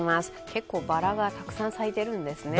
結構バラがたくさん咲いているんですね。